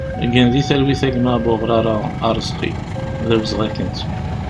Gen di talwit a gma Buɣrara Arezqi, d awezɣi ad k-nettu!